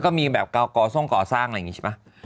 ก็มีแบบก่อทรงก่อสร้างอะไรอย่างนี้ใช่ป่ะ